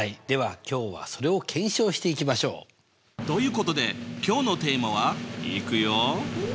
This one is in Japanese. では今日はそれを検証していきましょう！ということで今日のテーマはいくよ。